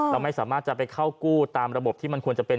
เราไม่สามารถจะไปเข้ากู้ตามระบบที่มันควรจะเป็น